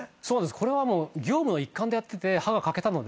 これは業務の一環でやってて歯が欠けたので。